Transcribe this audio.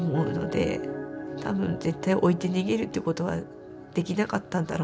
多分絶対置いて逃げるっていうことはできなかったんだろうなって思います。